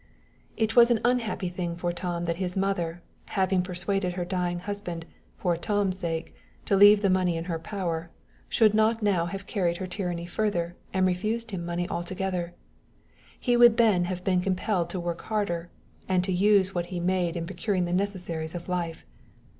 It was an unhappy thing for Tom that his mother, having persuaded her dying husband, "for Tom's sake," to leave the money in her power, should not now have carried her tyranny further, and refused him money altogether. He would then have been compelled to work harder, and to use what he made in procuring the necessaries of life.